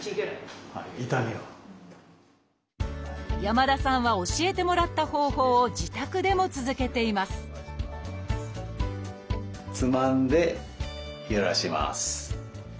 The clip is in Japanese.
山田さんは教えてもらった方法を自宅でも続けていますつまんでゆらします。